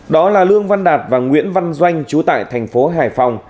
đó là lương văn đạt và nguyễn văn doanh chú tại thành phố hải phòng